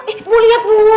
eh bu liat bu